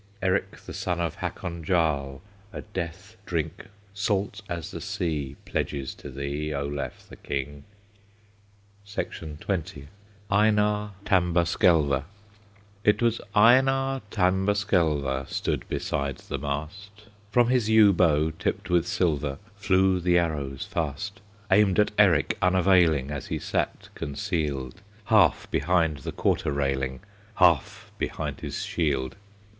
Eric the son of Hakon Jarl A death drink salt as the sea Pledges to thee, Olaf the King! XX. EINAR TAMBERSKELVER. It was Einar Tamberskelver Stood beside the mast; From his yew bow, tipped with silver, Flew the arrows fast; Aimed at Eric unavailing, As he sat concealed, Half behind the quarter railing, Half behind his shield.